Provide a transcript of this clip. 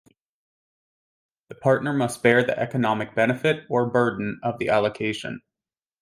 The partner must bear the economic benefit, or burden, of the allocation.